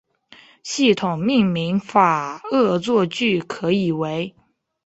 系统命名法恶作剧可以为